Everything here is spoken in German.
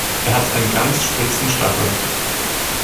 Er hat einen ganz spitzen Stachel.